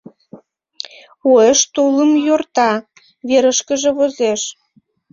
Уэш тулым йӧрта, верышкыже возеш.